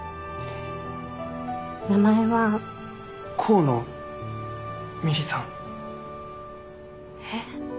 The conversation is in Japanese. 名前は河野美璃さんえっ？